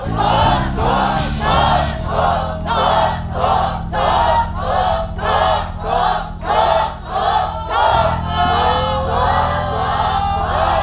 โทษโทษโทษ